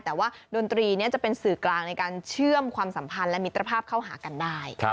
แต่ว่าดนตรีนี้จะเป็นสื่อกลางในการเชื่อมความสัมพันธ์และมิตรภาพเข้าหากันได้